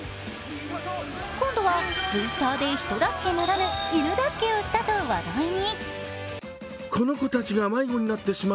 今度はＴｗｉｔｔｅｒで人助けならぬ犬助けをしたと話題に。